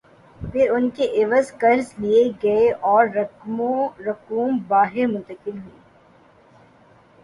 پھر ان کے عوض قرض لئے گئے اوررقوم باہر منتقل ہوئیں۔